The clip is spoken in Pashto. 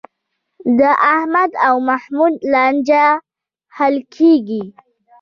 د احمد او محمود لانجه حل کېږي.